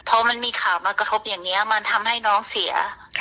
พอมันมีข่าวมากระทบอย่างนี้มันทำให้น้องเสีย